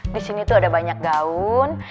disini tuh ada banyak gaun